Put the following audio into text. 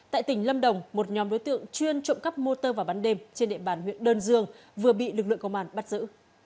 tại tỉnh lâm đồng một nhóm đối tượng chuyên trộm cắp motor và bán đêm trên địa bàn huyện đơn dương vừa bị lực lượng công an bắt giữ